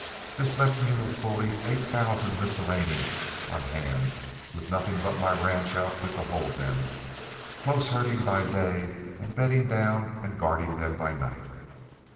This left me with fully eight thousand miscellany on hand, with nothing but my ranch outfit to hold them, close herding by day and bedding down and guarding them by night.